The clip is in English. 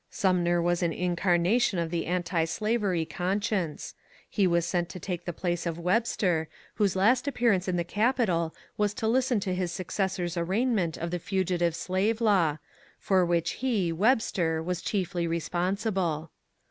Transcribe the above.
Sumner was an 210 MONCURE DANIEL CONWAY incarnation of the antislavery conscience ; he was sent to take the place of Webster, whose last appearance in the Capitol was to listen to his successor's arraignment of the Fugitive Slave Law, for which he (Webster) was chiefly responsible.